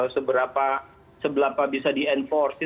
seberapa bisa di enforce